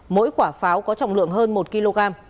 mỗi quả pháo có trọng lượng hơn một kg